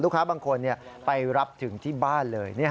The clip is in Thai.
ค้าบางคนไปรับถึงที่บ้านเลย